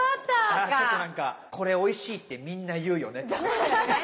ああちょっと何か「これおいしい」ってみんな言うよね。